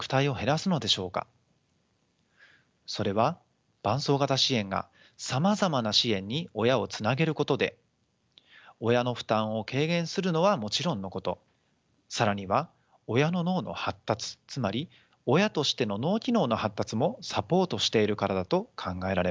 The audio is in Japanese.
それは伴走型支援がさまざまな支援に親をつなげることで親の負担を軽減するのはもちろんのこと更には親の脳の発達つまり親としての脳機能の発達もサポートしているからだと考えられます。